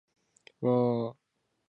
わああああ